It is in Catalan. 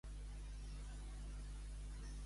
On veig la meva mediació?